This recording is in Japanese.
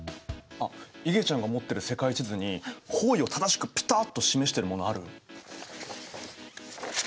あっいげちゃんが持ってる世界地図に方位を正しくピタッと示してるものある？